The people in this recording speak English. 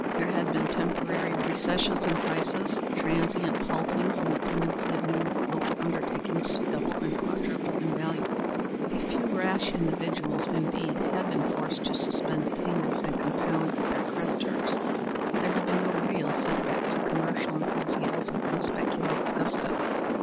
There had been temporary recessions in prices, transient haltings in the tendency of new local undertakings to double and quadruple in value. A few rash individuals, indeed, had been forced to suspend payments and compound with their creditors. But there had been no real set back to commercial enthusiasm and speculative gusto.